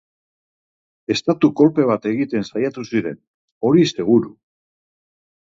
Estatu-kolpe bat egiten saiatuko ziren, hori seguru.